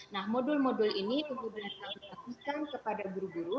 nah modul modul ini pembelajaran bahasa kita berikan kepada guru guru